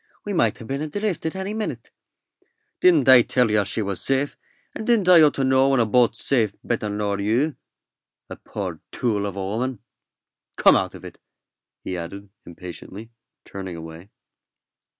"We might ha' been adrift any minute." "Didn't I tell yer she was safe, and didn't I ought to know when a boat's safe better nor you a poor tool of a woman? Come out of it," he added, impatiently, turning away.